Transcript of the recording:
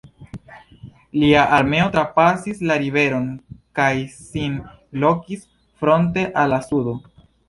Lia armeo trapasis la riveron kaj sin lokis fronte al la sudo.